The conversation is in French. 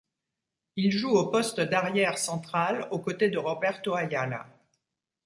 Il joue au poste d'arrière central aux côtés de Roberto Ayala.